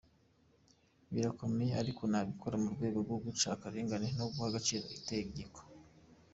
Birakomeye ariko nabikora mu rwego rwo guca akarengane no guha agaciro itegeko".